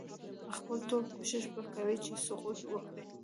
خپل ټول کوښښ به کوي چې سقوط وکړي.